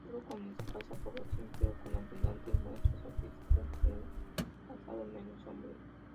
Pueblo con escasa población pero con abundantes muestras artísticas de un pasado menos sombrío.